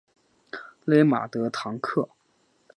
勒马德唐克。